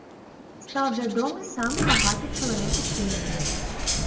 Стаў вядомы самы багаты чалавек у свеце.